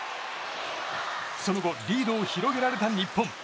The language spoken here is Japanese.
その後リードを広げられた日本。